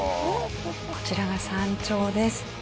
こちらが山頂です。